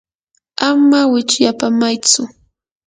ama wichyapamaytsu.